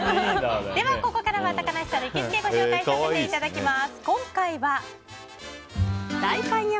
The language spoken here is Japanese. ここからは高梨さんの行きつけをご紹介させていただきます。